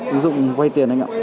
ứng dụng vay tiền anh ạ